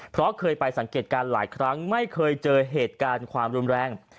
เพราะเคยไปสังเกตการณ์หลายครั้งไม่เคยเจอเหตุการณ์ความรุนแรง